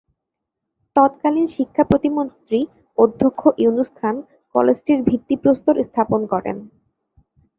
তৎকালীন শিক্ষা প্রতিমন্ত্রী অধ্যক্ষ ইউনুস খান কলেজটির ভিত্তিপ্রস্তর স্থাপন করেন।